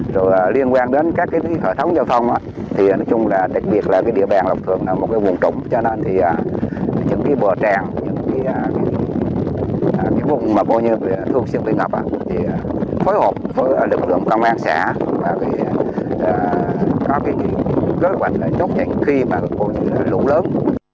rồi liên quan đến các hệ thống giao thông thì nói chung là đặc biệt là địa bàn lập thường là một vùng trụng cho nên thì những bờ tràn những vùng thường xuyên bị ngập thì phối hợp với lực lượng công an xã và có kế hoạch chốt dành khi mà lũ lớn